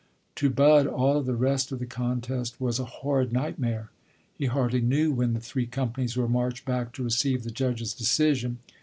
To Bud all of the rest of the contest was a horrid nightmare; he hardly knew when the three companies were marched back to receive the judges' decision.